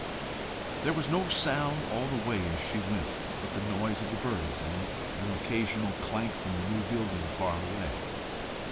There was no sound all the way as she went but the noise of the birds, and an occasional clank from the new building far away.